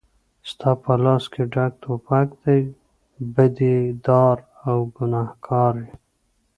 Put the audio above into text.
ستا په لاس کې ډک توپک دی بدي دار او ګنهګار یې